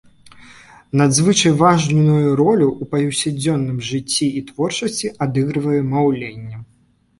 Надзвычай важную ролю ў паўсядзённым жыцці і творчасці адыгрывае маўленне.